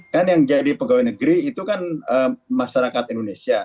kan yang jadi pegawai negeri itu kan masyarakat indonesia